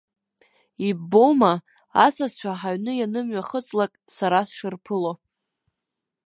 Иббома асасцәа ҳаҩны ианымҩахыҵлак сара сшырԥыло.